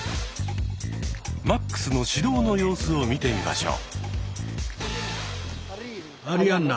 マックスの指導の様子を見てみましょう。